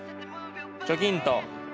チョキンと。